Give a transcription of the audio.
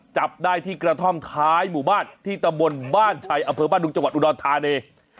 จับได้ที่กระท่อมท้ายหมู่บ้านที่ตำบลบ้านชัยอำเภอบ้านดุงจังหวัดอุดรธานี